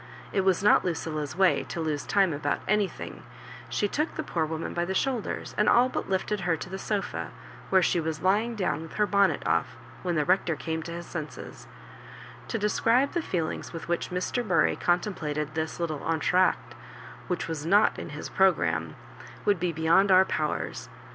It was not Lucilla's way to lose time about anything; she took the poor woman by the shoulders and all but lifted her to the sofa, where she was lying down with her bonnet off when the Rector came to his seusea To de scribe the feelings with which Mr. Bury con templated tliis little eiitr' acie, which was not in his programme, would be beyond our powers.